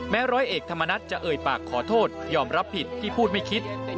ร้อยเอกธรรมนัฐจะเอ่ยปากขอโทษยอมรับผิดที่พูดไม่คิด